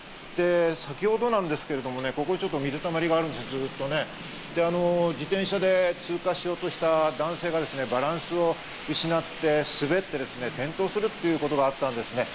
先ほどなんですけど、ここ、ちょっと水たまりがずっとあるんですけど、自転車で通過しようとした男性が、バランスを失って滑って転倒するということがあったんです。